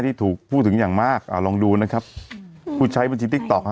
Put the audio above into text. ที่ถูกพูดถึงอย่างมากอ่าลองดูนะครับผู้ใช้บัญชีติ๊กต๊ะฮ